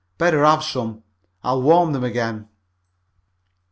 Better have some. I'll warm them again."